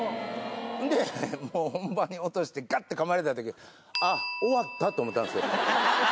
でもう本番に落としてガッて噛まれたときあっ終わったと思ったんですけど。